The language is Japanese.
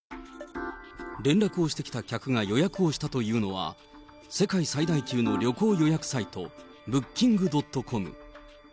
連絡をしてきた客が予約をしたというのは、世界最大級の旅行予約サイト、ブッキング・ドットコム。